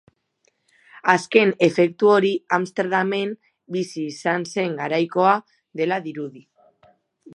Azken efektu hori Amsterdamen bizi izan zen garaikoa dela dirudi.